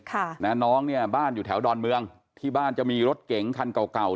ค่ะนะน้องเนี่ยบ้านอยู่แถวดอนเมืองที่บ้านจะมีรถเก๋งคันเก่าเก่า